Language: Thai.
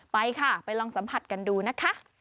ไปค่ะไปลองสัมผัสกันดูนะคะ